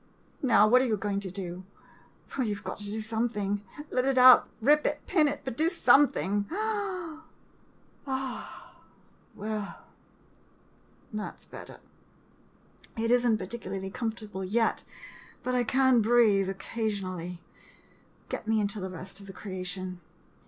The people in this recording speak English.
Now, what are you going to do ? Well, you 've got to do something — let it out — rip it — pin it — but do something! [Takes deep breath. ~\ Well, that 's better. It is n't particularly comfortable yet — but I can breathe occasion ally. Get me into the rest of the creation.